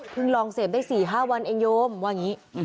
พึ่งลองเสพได้๔๕วันเองโยมว่างี้